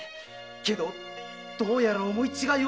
けどどうやら思い違いを。